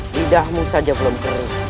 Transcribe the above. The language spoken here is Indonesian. lidahmu saja belum terus